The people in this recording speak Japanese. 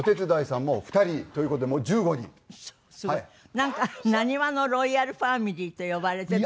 なんか「なにわのロイヤルファミリー」と呼ばれてた？